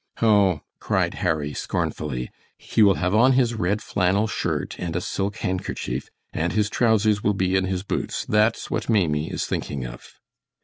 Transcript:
"Oh," cried Harry, scornfully, "he will have on his red flannel shirt and a silk handkerchief, and his trousers will be in his boots; that's what Maimie is thinking of!"